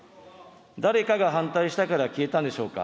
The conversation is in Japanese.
誰かが反対したから消えたんでしょうか。